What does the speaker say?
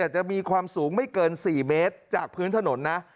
จะมีความสูงไม่เกิน๔เมตรจากพื้นถนนนะ